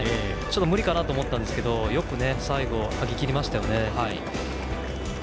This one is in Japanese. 無理かなと思ったんですけどよく最後、上げきりましたね。